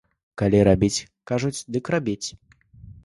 Калі рабіць, кажуць, дык рабіць.